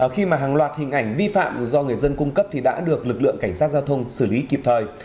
khi mà hàng loạt hình ảnh vi phạm do người dân cung cấp thì đã được lực lượng cảnh sát giao thông xử lý kịp thời